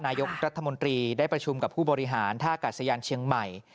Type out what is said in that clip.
นายกรัฐมนตรีได้ประชุมกับผู้บริหารท่ากาศยานเชียงใหม่